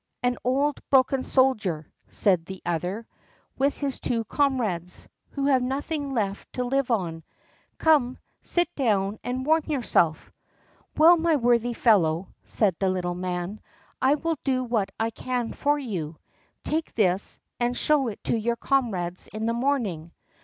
"An old, broken soldier," said the other, "with his two comrades, who have nothing left to live on; come, sit down and warm yourself." "Well, my worthy fellow," said the little man, "I will do what I can for you; take this and show it to your comrades in the morning."